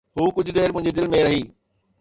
هو ڪجهه دير منهنجي دل ۾ رهي